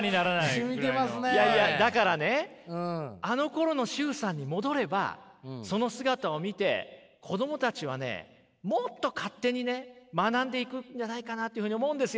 だからねあのころの崇さんに戻ればその姿を見て子供たちはねもっと勝手にね学んでいくんじゃないかなというふうに思うんですよね。